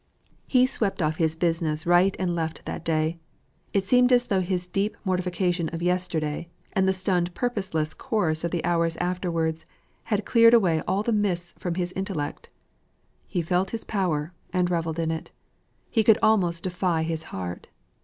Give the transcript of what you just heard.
He swept off his business right and left that day. It seemed as though his deep mortification of yesterday, and the stunned purposeless course of the hours afterwards, had cleared away all the mists from his intellect. He felt his power and revelled in it. He could almost defy his heart.